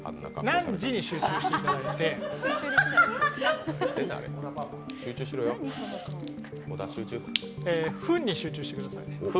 何時に集中していただいて分に集中してください。